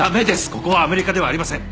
ここはアメリカではありません。